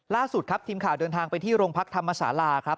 ล่าสุดครับทีมข่าวเดินทางไปที่โรงพักธรรมศาลาครับ